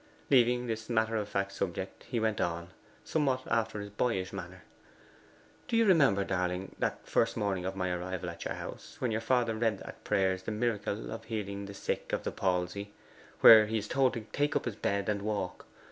Leaving this matter of fact subject, he went on, somewhat after his boyish manner: 'Do you remember, darling, that first morning of my arrival at your house, when your father read at prayers the miracle of healing the sick of the palsy where he is told to take up his bed and walk?